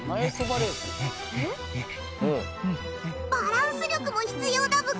バランス力も必要だブカ。